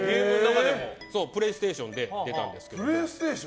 プレイステーションで出たんですけど。